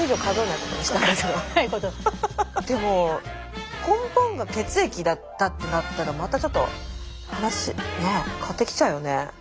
でも根本が血液だったってなったらまたちょっと話変わってきちゃうよね。